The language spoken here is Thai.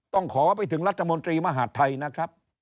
ต้องขอไปถึงรัฐมนตรีมหาดไทยนะครับ